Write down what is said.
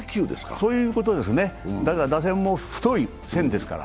そういうことですね、打線も太い線ですから。